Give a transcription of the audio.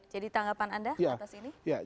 jadi tanggapan anda atas ini